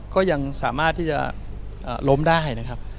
ก็ยังสามารถที่จะล้มได้นะครับ